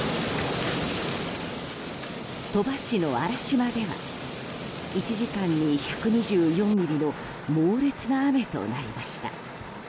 鳥羽市の安楽島では１時間に１２４ミリの猛烈な雨となりました。